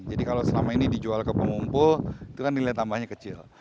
jadi kalau selama ini dijual ke pemumpul itu kan nilai tambahnya kecil